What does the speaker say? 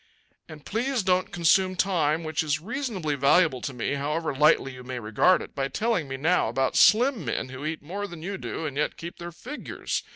"And please don't consume time which is reasonably valuable to me, however lightly you may regard it, by telling me now about slim men who eat more than you do and yet keep their figures.